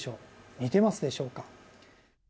似てますでしょうか？